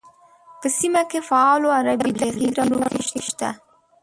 په سیمه کې فعالو عربي تبلیغي ډلو کې شته.